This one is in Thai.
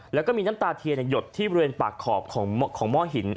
แล้วก็มีน้ำตาเทียนหยดที่บริเวณปากขอบของหม้อหิน